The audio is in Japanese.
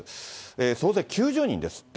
総勢９０人ですって。